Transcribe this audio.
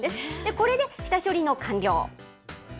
これで下処理の完了。